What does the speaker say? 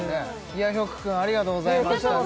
いやヒョク君ありがとうございましたね